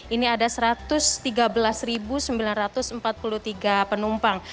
ini ada satu ratus tiga belas sembilan ratus empat puluh tiga penumpang